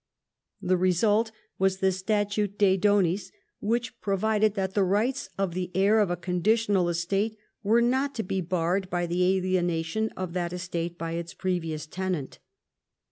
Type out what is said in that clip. The result was the Statute de Bonis, which provided that the rights of the heir of a conditional estate were not to be barred by the alienation of that estate by its previous tenant.